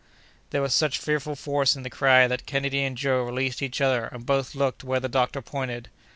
There was such fearful force in the cry that Kennedy and Joe released each other, and both looked where the doctor pointed.